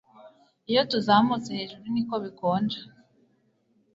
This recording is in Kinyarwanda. Iyo tuzamutse hejuru niko bikonja